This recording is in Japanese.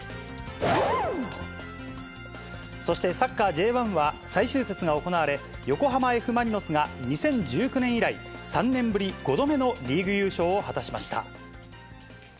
そしてサッカーＪ１は最終節が行われ、横浜Ｆ・マリノスが２０１９年以来、３年ぶり５度目のリーグ優勝を果たしました。